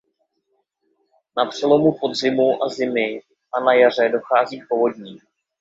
Na přelomu podzimu a zimy a na jaře dochází k povodním.